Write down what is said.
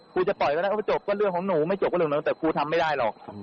จะปล่อยก็ได้ก็ไม่จบก็เรื่องของหนูไม่จบก็เรื่องนั้นแต่ครูทำไม่ได้หรอก